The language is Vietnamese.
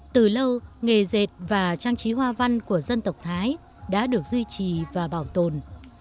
từ lâu nghề dệt và trang trí hoa văn của dân tộc thái đã được duy trì và bảo tồn